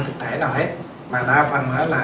thực thể nào hết